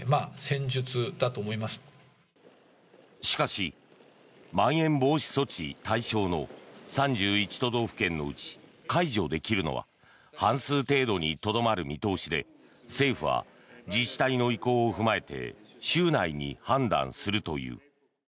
しかし、まん延防止措置対象の３１都道府県のうち解除できるのは半数程度にとどまる見通しで政府は自治体の意向を踏まえて週内に判断するという。